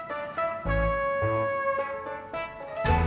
oh am thank you